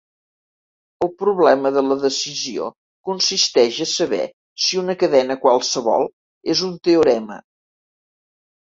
El problema de la decisió consisteix a saber si una cadena qualsevol és un teorema.